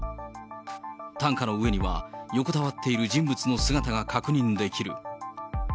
担架の上には横たわっている人物の姿が確認できる。